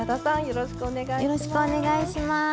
よろしくお願いします。